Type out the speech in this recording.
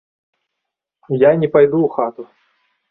Я не пайду ў хату.